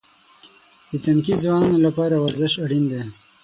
د تنکي ځوانانو لپاره ورزش اړین دی.